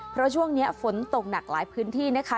เพราะช่วงนี้ฝนตกหนักหลายพื้นที่นะคะ